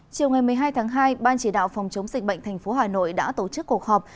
chiều ngày một mươi hai tháng hai ban chỉ đạo phòng chống dịch bệnh tp hà nội đã tổ chức cuộc họp